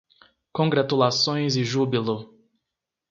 Congratulações e júbilo